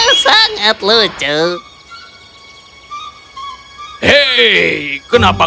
kau sangat menggecewakan